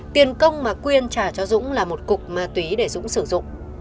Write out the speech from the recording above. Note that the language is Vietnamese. tiền công mà quyên trả cho dũng là một cục ma túy để dũng sử dụng